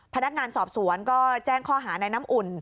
พนักงานสอบสวนก็แจ้งข้อหาในน้ำอุ่น